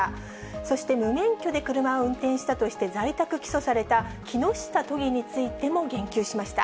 そして無免許で車を運転したとして在宅起訴された木下都議についても言及しました。